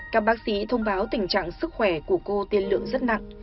các bác sĩ thông báo tình trạng sức khỏe của cô tiên lượng rất nặng